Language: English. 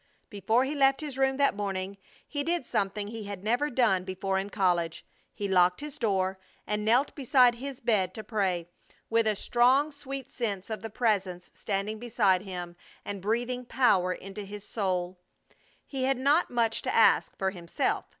Before he left his room that morning he did something he had never done before in college; he locked his door and knelt beside his bed to pray, with a strong, sweet sense of the Presence standing beside him, and breathing power into his soul. He had not much to ask for himself.